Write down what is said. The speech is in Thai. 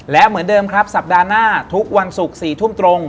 และเหมือนเดิมครับสัปดาห์หน้าทุกวันศุกร์๔ทุ่มตรง